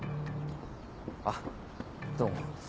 あどうも。